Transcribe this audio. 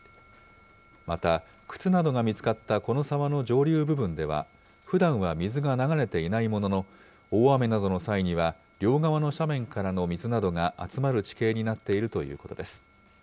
また、靴などが見つかったこの沢の上流部分では、ふだんは水が流れていないものの、大雨などの際には、両側の斜面からの水などが集まる地形になっているということです。